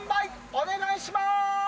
お願いしまーす！